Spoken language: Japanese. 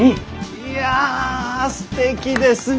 いやすてきですね